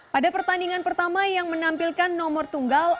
pada pertandingan pertama yang menampilkan nomor tunggal